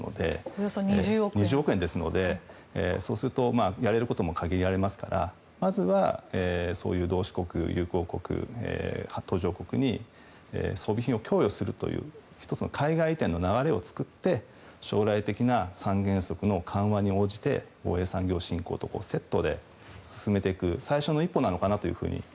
およそ２０億円ですのでそうするとやれることも限られますからまずは同志国、友好国途上国に装備品を供与するという１つの海外移転の流れを作って将来的な緩和に応じて防衛産業振興とセットで進めていく最初の一歩なのかなと。